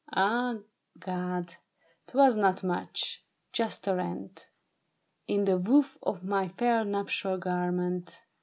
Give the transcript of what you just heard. Ah, God ! 'twas not much ! Just a rent In the woof of my fair nuptial garment